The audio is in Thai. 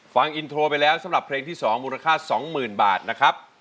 ฟังอินโทรไปแล้วสำหรับเพลงที่๒มูลค่า๒๐๐๐บาทนะครับ